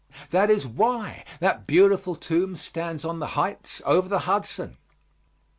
That is why that beautiful tomb stands on the heights over the Hudson.